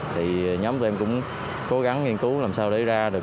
thì nhóm tụ em cũng cố gắng nghiên cứu làm sao để ra được